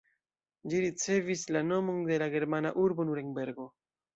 Ĝi ricevis la nomon de la germana urbo Nurenbergo.